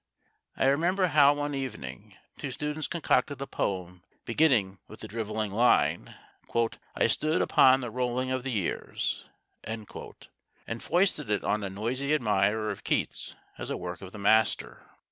I remember how one evening two students concocted a poem beginning with the drivelling line, "I stood upon the rolling of the years," and foisted it on a noisy admirer of Keats as a work of the master.